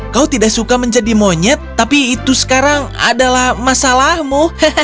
kau tidak suka menjadi monyet tapi itu sekarang adalah masalahmu